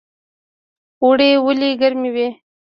اوړی ولې ګرم وي؟